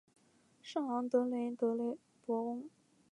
圣昂德雷德博翁。